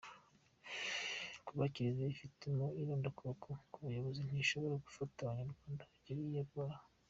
Kuba Kiliziya yifitemo irondakoko mu buyobozi ntishobora gufasha Abanyarwanda gukira iyo ndwara.